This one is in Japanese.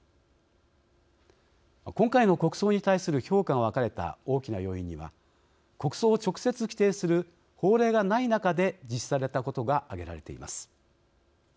今回の国葬に対する評価が分かれた大きな要因には国葬を直接規定する法令がない中で実施されたことが挙げられています。